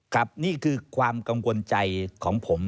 นี่คือความกังวลใจของผม